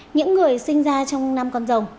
những người sinh ra trong năm con rồng